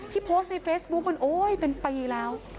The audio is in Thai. โพสต์ในเฟซบุ๊คมันโอ๊ยเป็นปีแล้ว